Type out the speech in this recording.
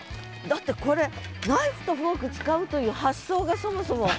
だってこれナイフとフォーク使うという発想がそもそも。